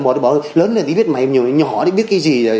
một bố lớn lên thì biết mày một bố nhỏ thì biết cái gì